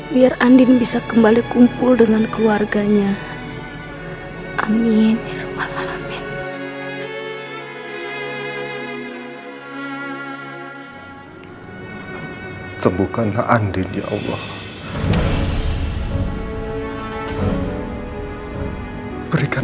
biar andin bisa kembali kumpul dengan keluarganya